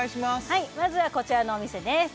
はいまずはこちらのお店です